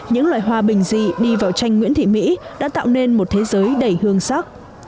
những loài hoa bình dị đi vào tranh nguyễn thị mỹ đã tạo nên một thế giới đầy hương sắc